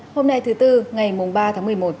hôm nay thứ tư ngày mùng ba tháng một mươi một